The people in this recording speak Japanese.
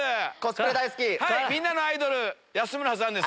みんなのアイドル安村さんです。